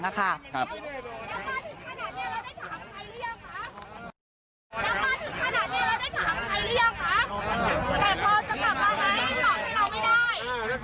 กลัวว่าจะกลับไปกลับที่นี่